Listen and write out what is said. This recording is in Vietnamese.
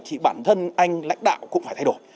thì bản thân anh lãnh đạo cũng phải thay đổi